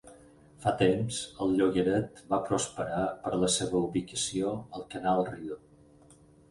Fa temps, el llogaret va prosperar per la seva ubicació al Canal Rideau.